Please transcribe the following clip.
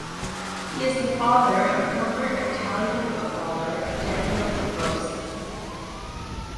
He is the father of former Italian footballer Daniele de Rossi.